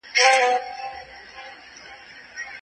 لابراتواري وینه باید پوره دوام وکړي.